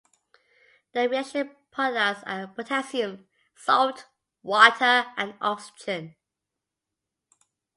The reaction products are potassium salt, water, and oxygen.